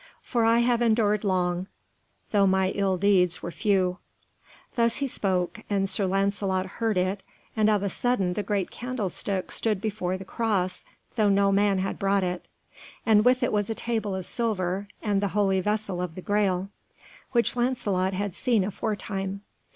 For I have endured long, though my ill deeds were few." Thus he spoke, and Sir Lancelot heard it, and of a sudden the great candlestick stood before the cross, though no man had brought it. And with it was a table of silver and the Holy Vessel of the Graal, which Lancelot had seen aforetime.